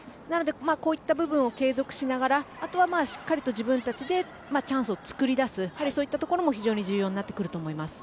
こういった部分を継続しながらあとは、しっかりと自分たちでチャンスを作り出すそういったところも非常に重要になってくると思います。